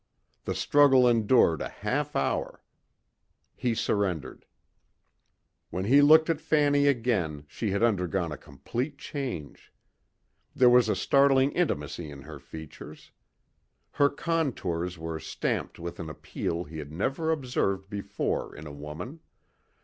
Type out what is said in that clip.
The struggle endured a half hour. He surrendered. When he looked at Fanny again she had undergone a complete change. There was a startling intimacy in her features. Her contours were stamped with an appeal he had never observed before in a woman.